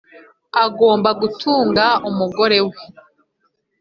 Agomba gukunda umugore we